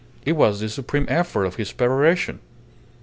It was the supreme effort of his peroration.